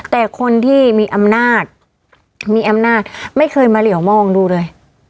แต่คนที่มีอำนาจมีอำนาจไม่เคยมาเหลี่ยวมองดูเลย